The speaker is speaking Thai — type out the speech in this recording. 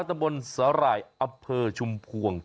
แต่บนสาหร่ายอัพเพอร์ชุมพวง